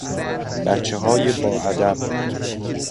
بچههای با ادب